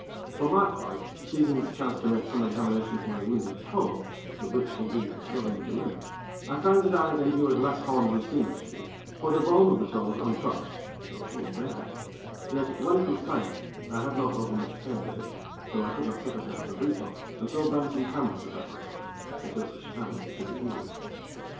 For my part, seizing this chance to make some examination of my wounded toe, the which, indeed, was causing me to limp, I found that I had endured less harm than seemed to me; for the bone of the toe was untouched, though showing bare; yet when it was cleansed, I had not overmuch pain with it; though I could not suffer to have the boot on, and so bound some canvas about my foot, until such time as it should be healed.